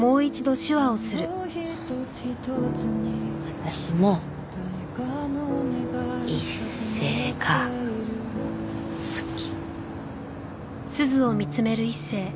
私も一星が好き。